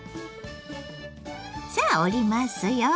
さあ折りますよ。